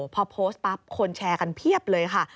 พอโพสต์ปั๊บคนแชร์กันเพียบเลยค่ะ